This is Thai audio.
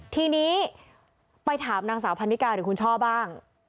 ทีนี้ไปถามนางสาวพันนิกาหรือคุณช่อบ้าง